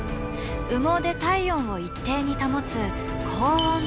羽毛で体温を一定に保つ恒温動物だ。